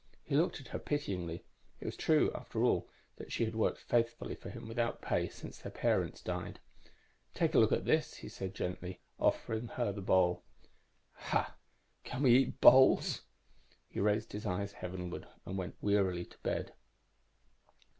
He looked at her pityingly; it was true, after all, that she had worked faithfully for him, without pay, since their parents died. "Take a look at this," he said gently, offering her the bowl._ "Hah! Can we eat bowls?" _He raised his eyes heavenward and went wearily to bed.